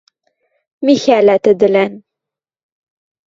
Михӓлӓ тӹдӹлӓн